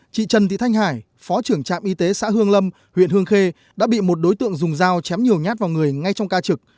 chị trần thị thanh hải phó trưởng trạm y tế xã hương lâm huyện hương khê đã bị một đối tượng dùng dao chém nhiều nhát vào người ngay trong ca trực